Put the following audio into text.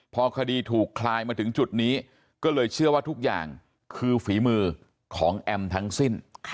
พอคดีถูกคลายมาถึงจุดนี้ก็เลยเชื่อว่าทุกอย่างคือฝีมือของแอมทั้งสิ้น